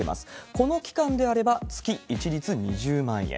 この期間であれば月一律２０万円。